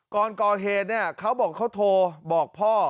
กรกรเฮเนี่ยเขาบอกเขาโทรบอกพ่อ